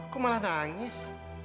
kok malah nangis